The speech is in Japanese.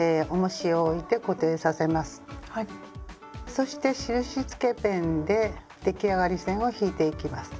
そして印つけペンで出来上がり線を引いていきます。